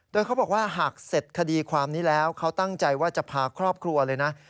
โดยเขาบอกว่าหากเสร็จคดีความนี้แล้วเขาตั้งใจว่าจะพาครอบครัวเลยนะ